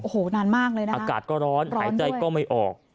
โอ้โหนานมากเลยนะอากาศก็ร้อนหายใจก็ไม่ออก